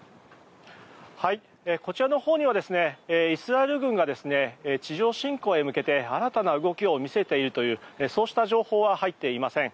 こちらのほうにはイスラエル軍が地上侵攻に向けて新たな動きを見せているというそうした情報は入っていません。